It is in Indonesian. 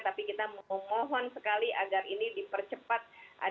tapi kita mau mohon sekali agar ini dipercepat